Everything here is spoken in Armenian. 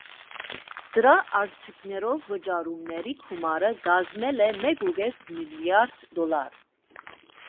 Դրա արդյունքներով վճարումների գումարը կազմել Է մեկուկես միլիարդ դոլար։